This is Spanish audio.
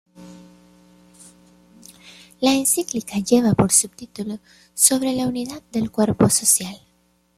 La encíclica lleva por subtítulo "Sobre la unidad del cuerpo social".